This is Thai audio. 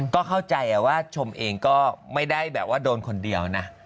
ก็เข้าใจว่าชมเองก็ไม่ได้แบบว่าโดนคนเดียวนะ